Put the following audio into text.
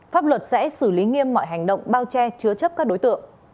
pháp luật sẽ xử lý nghiêm mọi hành động bao che chứa chấp các đối tượng